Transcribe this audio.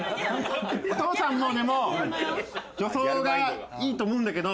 お父さんもでも女装がいいと思うんだけど。